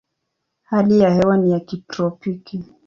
Hali ya hewa ni ya kitropiki.